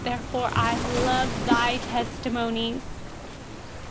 Therefore I love your testimonies.